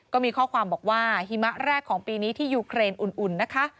ก็มีข้อความบอกว่าหิมะแรกของปีนี้ที่ยูเครนอุ่นนะคะ